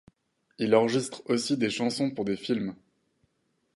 Il enregistre aussi des chansons pour des films.